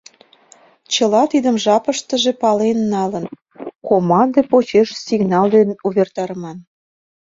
Чыла тидым жапыштыже пален налын, команде почеш сигнал дене увертарыман.